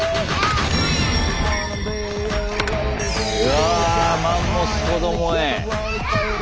うわあマンモスこども園。